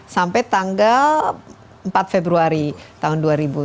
sampai tanggal empat februari tahun dua ribu sembilan belas